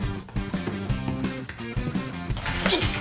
ちょっと！